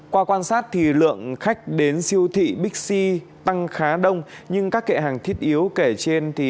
qua quan sát lượng khách đến siêu thị bixi tăng khá đông nhưng các kệ hàng thiết yếu kể trên